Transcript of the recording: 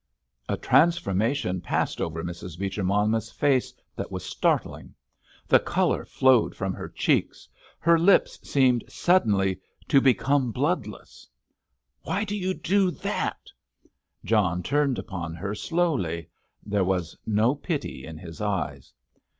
A transformation passed over Mrs. Beecher Monmouth's face that was startling. The colour flowed from her cheeks. Her lips seemed suddenly to become bloodless. "Why do you do that?" John turned upon her slowly. There was no pity in his eyes.